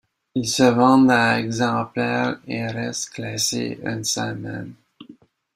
Il se vend à exemplaires et reste classé une semaine.